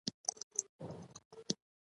انسټاګرام د ښکلو عکسونو شریکولو پلیټفارم دی.